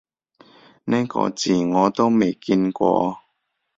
呢個字我都未見過